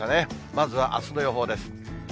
まずはあすの予報です。